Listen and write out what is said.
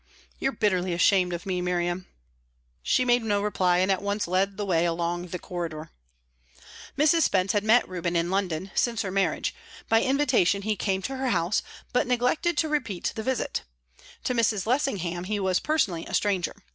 "You're bitterly ashamed of me, Miriam." She made no reply, and at once led the way along the corridor. Mrs. Spence had met Reuben in London, since her marriage; by invitation he came to her house, but neglected to repeat the visit. To Mrs. Lessingham he was personally a stranger.